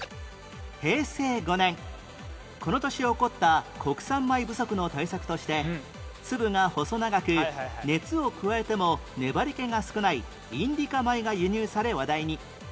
平成５年この年起こった国産米不足の対策として粒が細長く熱を加えても粘り気が少ないインディカ米が輸入され話題に